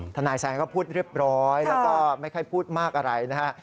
ทนายแซนก็พูดเรียบร้อยแล้วก็ไม่ค่อยพูดมากอะไรนะฮะ